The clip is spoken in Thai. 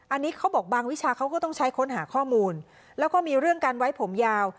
อันนี้เขาบอกบางวิชาเขาก็ต้องใช้ค้นหาข้อมูลแล้วก็มีเรื่องการไว้ผมยาว